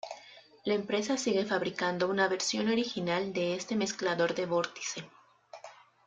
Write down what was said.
La empresa sigue fabricando una versión original de este mezclador de vórtice.